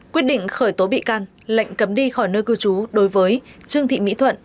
quyết định khởi tố bị can lệnh cấm đi khỏi nơi cư trú đối với trương thị mỹ thuận